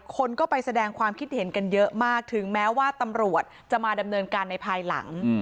คนก็ไปแสดงความคิดเห็นกันเยอะมากถึงแม้ว่าตำรวจจะมาดำเนินการในภายหลัง